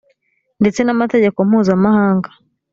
ndetse n amategeko mpuzamahanga